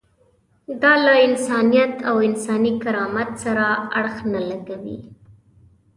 دا له انسانیت او انساني کرامت سره اړخ نه لګوي.